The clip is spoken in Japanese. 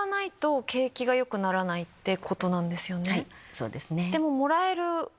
そうですね。